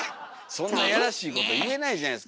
そんなやらしいこと言えないじゃないですか。